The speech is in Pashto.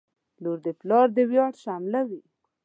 • لور د پلار د ویاړ شمعه وي.